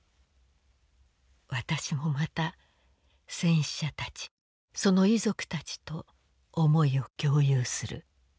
私もまた戦死者たちその遺族たちと思いを共有する。